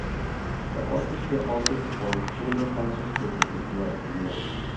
The orchestra also performs chamber concerts frequently throughout the year.